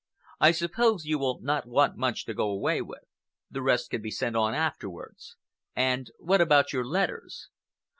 I suppose you will not want much to go away with. The rest can be sent on afterwards. And what about your letters?"